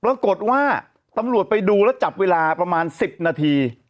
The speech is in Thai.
ปรากฏว่าตำรวจไปดูแล้วจับเวลาประมาณ๑๐นาที